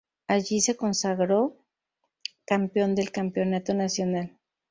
Allí se consagró campeón del Campeonato Nacional.